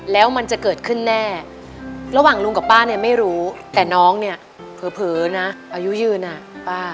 แล้วมันจะเกิดขึ้นแน่ระหว่างลุงกับป้าเนี่ยไม่รู้แต่น้องเนี่ยเผลอนะอายุยืนอ่ะป้า